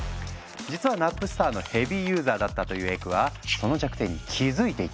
実はナップスターのヘビーユーザーだったというエクはその弱点に気付いていたんだ。